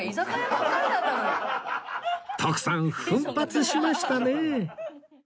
徳さん奮発しましたね